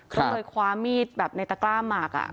เคยคว้ามีดในตระกร้าหมาก